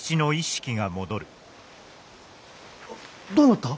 どうなった？